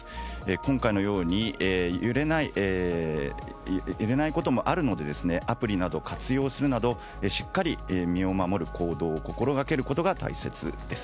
今回のように揺れないこともあるのでアプリなどを活用するなどしっかり身を守る行動を心がけることが大切です。